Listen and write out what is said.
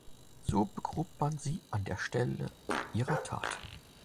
So begrub man sie an der Stelle ihrer Tat.